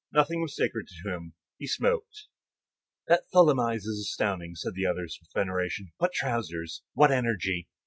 Nothing was sacred to him; he smoked. "That Tholomyès is astounding!" said the others, with veneration. "What trousers! What energy!"